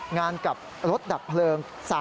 งานกับรถดับเพลิง